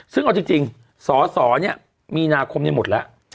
ซึ่งเอาจริงสสเนี่ยมีนาคมนี้หมดแล้ว